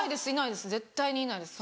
絶対にいないです。